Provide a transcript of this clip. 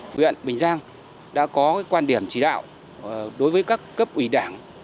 huyện bình giang đã có quan điểm chỉ đạo đối với các cấp ủy đảng